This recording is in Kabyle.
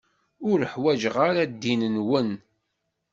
Ur ḥwaǧeɣ ara ddin-nwen.